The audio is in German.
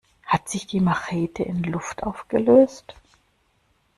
Hat sich die Machete in Luft aufgelöst?